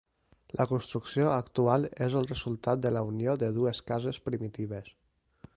La construcció actual és el resultat de la unió de dues cases primitives.